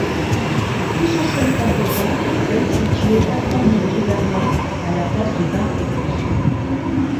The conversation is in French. La plus ancienne composante est celle située perpendiculairement à la place du Vingt-Août.